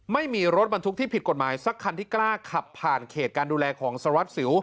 ไม่มีรถบรรทุกที่ผิดกฎหมายสักคันที่กล้าขับผ่านเขตการดูแลของสารวัตรสิว